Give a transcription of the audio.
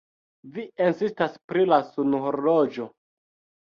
Vi insistas pri la sunhorloĝo.